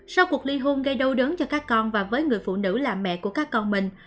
sau cuộc ly hôn gây đau đớn cho các con và với người phụ nữ là mẹ của các con mình